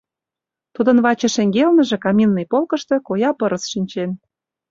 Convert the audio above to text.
Тудын ваче шеҥгелныже, каминный полкышто, коя пырыс шинчен.